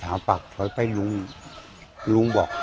อันนั้นน่าจะเป็นวัยรุ่นที่จะเจอวันนี้